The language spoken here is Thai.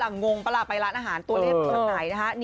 อยากงงประหละไปร้านอาหารตัวเล็กเผื่อไหนนะคะ